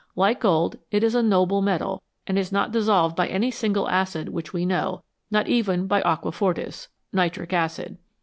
Like gold, it is a " noble " metal, and is not dissolved by any single acid which we know, not even by aqua fortis (nitric acid).